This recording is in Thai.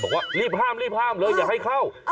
บอกว่ารีบห้ามเลยอย่าให้เข้า